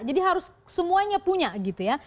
jadi harus semuanya punya gitu ya